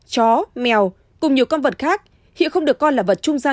chó mèo cùng nhiều con vật khác hiện không được coi là vật trung gian